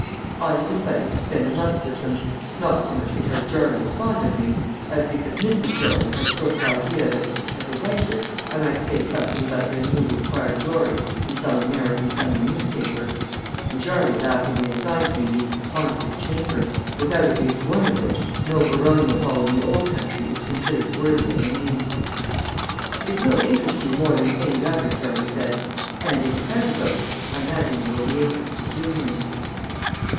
I was invited to spend a month with them, not so much because Jarley is fond of me as because Mrs. Jarley had a sort of an idea that, as a writer, I might say something about their newly acquired glory in some American Sunday newspaper; and Jarley laughingly assigned to me the "haunted chamber," without at least one of which no baronial hall in the old country is considered worthy of the name. [Illustration: 'THE FRIENDLY SPECTRE STOOD BY ME'] "It will interest you more than any other," Jarley said; "and if it has a ghost, I imagine you will be able to subdue him."